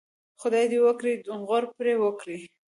خدای دې وکړي غور پرې وکړي.